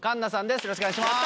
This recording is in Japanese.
よろしくお願いします。